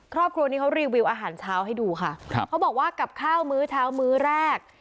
ครอบครัวนี้เขารีวิวอาหารเช้าให้ดูค่ะครับเขาบอกว่ากับข้าวมื้อเช้ามื้อแรก